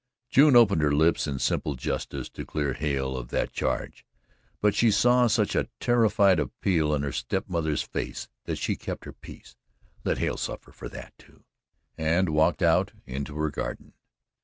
June opened her lips in simple justice to clear Hale of that charge, but she saw such a terrified appeal in her step mother's face that she kept her peace, let Hale suffer for that, too, and walked out into her garden.